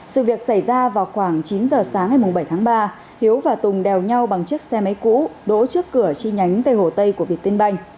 sự việc xảy ra vào khoảng chín giờ sáng ngày bảy tháng ba hiếu và tùng đèo nhau bằng chiếc xe máy cũ đỗ trước cửa chi nhánh tây hồ tây của việt tiên banh